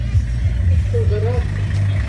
— Куштылгырак...